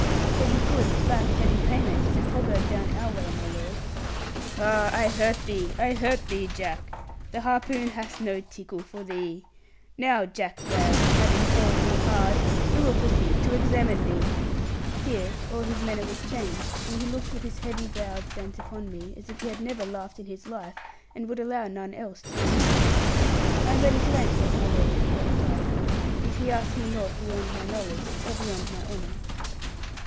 'Heavy goods lack heavy payment, is a proverb down our way, my lord.' 'Ah, I hurt thee, I hurt thee, Jack. The harpoon hath no tickle for thee. Now, Jack Whale, having hauled thee hard, we will proceed to examine thee.' Here all his manner was changed, and he looked with his heavy brows bent upon me, as if he had never laughed in his life, and would allow none else to do so. 'I am ready to answer, my lord,' I replied, 'if he asks me nought beyond my knowledge, or beyond my honour.'